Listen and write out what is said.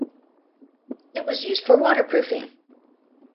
It was used for waterproofing.